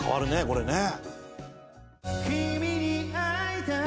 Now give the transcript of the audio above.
これね。